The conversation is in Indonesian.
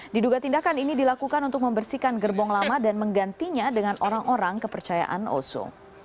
diduga tindakan ini dilakukan untuk membersihkan gerbong lama dan menggantinya dengan orang orang kepercayaan oso